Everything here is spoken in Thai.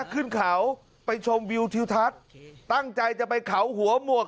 ขึ้นเขาไปชมวิวทิวทัศน์ตั้งใจจะไปเขาหัวหมวก